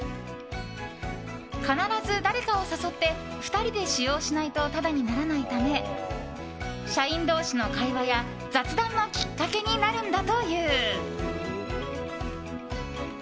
必ず誰かを誘って２人で使用しないとタダにならないため社員同士の会話や雑談のきっかけになるんだという。